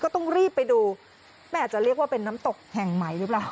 ต้องรีบไปดูแม่อาจจะเรียกว่าเป็นน้ำตกแห่งใหม่หรือเปล่า